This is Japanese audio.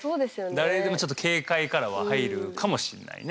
誰でもちょっとけいかいからは入るかもしんないね。